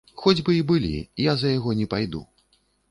Хоць бы й былі, я за яго не пайду.